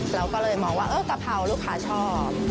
เราก็เลยมองว่ากะเพราลูกค้าชอบ